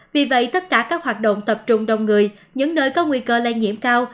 vì vậy tất cả các hoạt động tập trung đông người những nơi có nguy cơ lây nhiễm cao